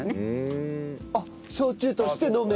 あっ焼酎として飲める？